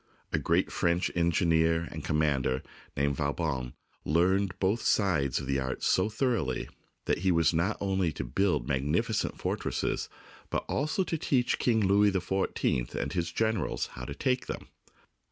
A great French engineer and com mander, named Vauban, learned both sides of the art so thoroughly that he was able not only to build magnificent fortresses, but also to teach King Louis XIV and his generals how to take them.